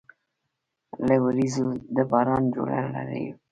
له وریځو د باران جوړه لړۍ وه